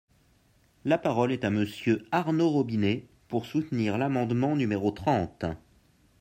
La parole est à Monsieur Arnaud Robinet, pour soutenir l’amendement numéro trente.